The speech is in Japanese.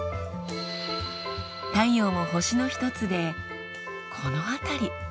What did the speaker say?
太陽も星の一つでこの辺り。